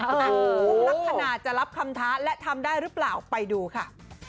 ลักษณะจะรับคำท้าและทำได้หรือเปล่าไปดูค่ะ